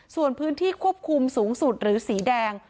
ส่วนพื้นที่ควบคุมสูงสุดหรือสีแดง